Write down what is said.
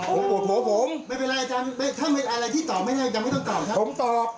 หมส์ผมตัวเอง